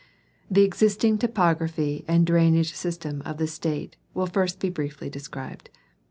The existing topography and drainage system of the State will first be briefly described.